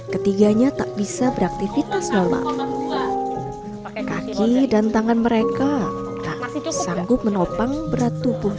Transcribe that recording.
ketiganya tak bisa beraktivitas lama kaki dan tangan mereka sanggup menopang berat tubuh